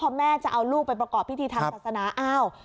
แล้วพ่อแม่จะเอาลูกไปประกอบพิธีทางศาสนา